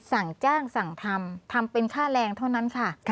สั่งจ้างสั่งทำทำเป็นค่าแรงเท่านั้นค่ะ